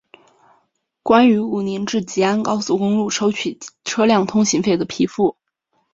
关于武宁至吉安高速公路收取车辆通行费的批复